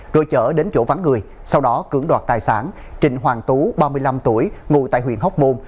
rồi chở đến chỗ vắng người sau đó cưỡng đoạt tài sản trịnh hoàng tú ba mươi năm tuổi ngụ tại huyện hóc môn